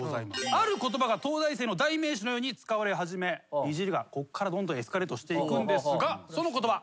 ある言葉が東大生の代名詞のように使われ始めイジりがこっからどんどんエスカレートしていくんですがその言葉。